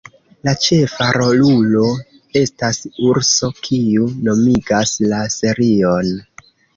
La ĉefa rolulo estas urso kiu nomigas la serion.